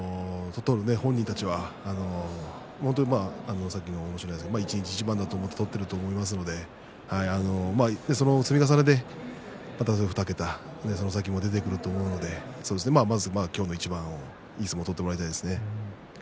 取る本人たちは一日一番だと思って取っていると思いますのでその積み重ねで２桁その先も出てくると思いますのでまずは今日の一番、いい相撲を取ってもらいたいですね。